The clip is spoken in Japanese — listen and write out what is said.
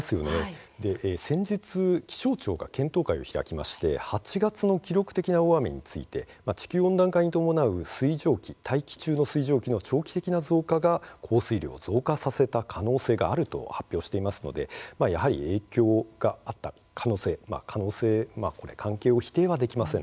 先日、気象庁は検討会を開きまして８月の記録的な大雨について地球温暖化に伴う大気中の水蒸気の長期的な増加が降水量を増加させた可能性があると発表していますのでやはり影響があった可能性関係を否定はできません。